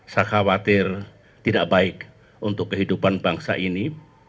saya khawatir tidak baik untuk kehidupan bangsa ini